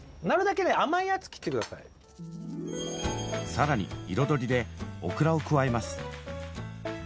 さらに彩りでオクラを加えます。